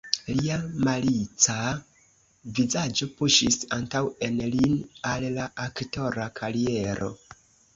Lia malica vizaĝo puŝis antaŭen lin al la aktora kariero.